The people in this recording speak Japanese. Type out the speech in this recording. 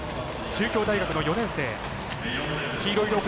中京大学の４年生。